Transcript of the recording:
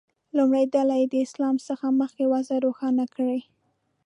لومړۍ ډله دې د اسلام څخه مخکې وضع روښانه کړي.